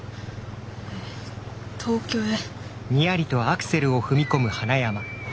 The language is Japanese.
東京へ。